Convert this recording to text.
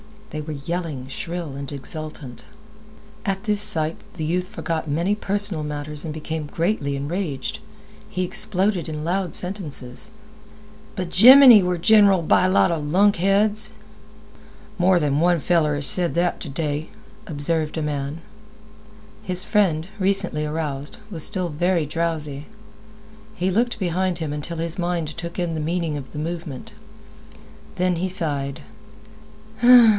They were yelling, shrill and exultant. At this sight the youth forgot many personal matters and became greatly enraged. He exploded in loud sentences. "B'jiminey, we're generaled by a lot 'a lunkheads." "More than one feller has said that t' day," observed a man. His friend, recently aroused, was still very drowsy. He looked behind him until his mind took in the meaning of the movement. Then he sighed.